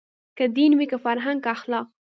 که دین وي که فرهنګ که اخلاق